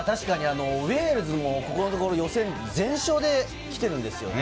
ウェールズもここのところ予選全勝できているんですよね。